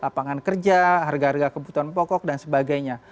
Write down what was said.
lapangan kerja harga harga kebutuhan pokok dan sebagainya